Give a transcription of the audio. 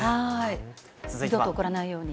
二度と起こらないように。